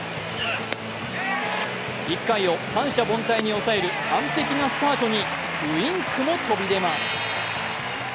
１回を三者凡退に抑える完璧なスタートにウインクも飛び出ます。